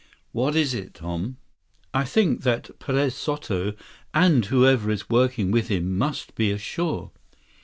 "What is it, Tom?" 126 "I think that Perez Soto and whoever is working with him must be ashore.